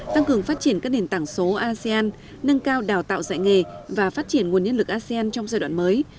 tăng cường phát triển các nền tảng số asean nâng cao đào tạo dạy nghề và phát triển nguồn nhân lực asean trong giai đoạn mới